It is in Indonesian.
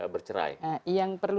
bercerai yang perlu